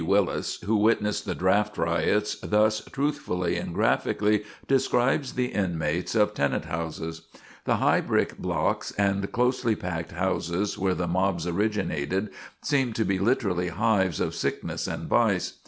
Willis who witnessed the "draft" riots thus truthfully and graphically describes the inmates of tenant houses: "The high brick blocks and closely packed houses where the mobs originated, seemed to be literally hives of sickness and vice.